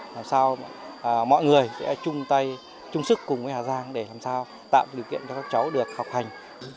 làm sao mọi người sẽ chung tay chung sức cùng với hà giang để làm sao tạo điều kiện cho các cháu được học hành